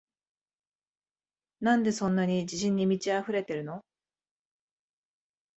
なんでそんなに自信に満ちあふれてるの？